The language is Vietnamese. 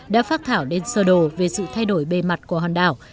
đã phát thảo lên sơ đồ về sự thay đổi bề mặt của hòn đảo